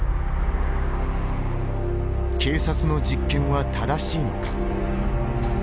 警察の実験は正しいのか。